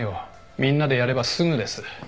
みんなでやればすぐです。